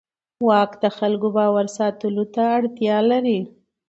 واک د خلکو د باور ساتلو ته اړتیا لري.